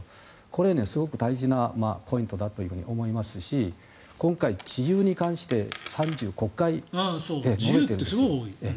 これはすごく大事なポイントだと思いますし今回、自由に関して３５回言っています。